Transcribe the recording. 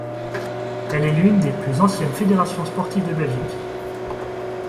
Elle est l'une des plus anciennes fédérations sportives de Belgique.